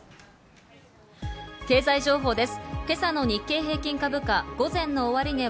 経済情報です。